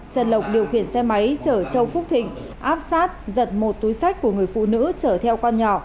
trần lộc điều khiển xe máy chở châu phúc thịnh áp sát giật một túi sách của người phụ nữ chở theo con nhỏ